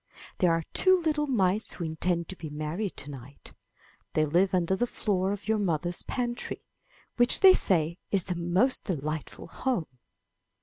There are two little mice who intend to be married to night. They live under the floor of your mother's pantry, which they say is the most delightful home.'